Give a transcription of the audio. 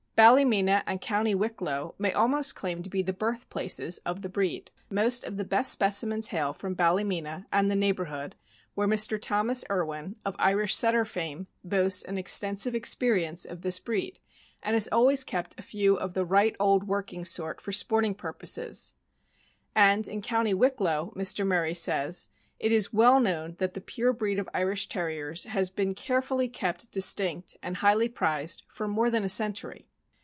Bally mena and County Wicklow may almost claim to be the birthplaces of the breed. Most of the best specimens hail from Ballymena and the neighbor hood, where Mr. Thomas Erwin, of Irish Setter fame, boasts an extensive experience of this breed,' and has always kept a few of the right old working sort for sporting purposes; and "in County Wicklow," Mr. Merry says, " it is well known that the pure breed of Irish Terriers has been carefully kept dis tinct and highly prized for more than a century."